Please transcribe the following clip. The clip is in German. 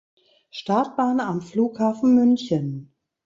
Startbahn am Flughafen München.